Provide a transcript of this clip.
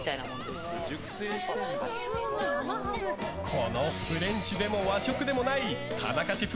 この、フレンチでも和食でもない田中シェフ